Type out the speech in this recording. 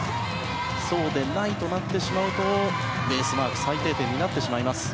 そうでないとなってしまうとベースマーク最低点になってしまいます。